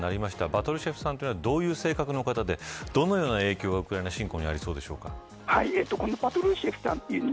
パトルシェフさんはどういう性格の方でどのような影響がウクライナ侵攻にありそうですか。